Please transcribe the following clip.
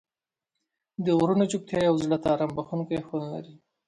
د غرونو چوپتیا یو زړه ته آرام بښونکی خوند لري.